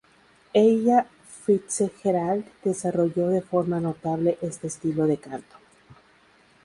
Ella Fitzgerald desarrolló de forma notable este estilo de canto.